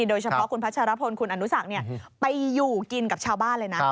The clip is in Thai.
โดยเฉพาะคุณพัชรพลคุณอนุสักไปอยู่กินกับชาวบ้านเลยนะ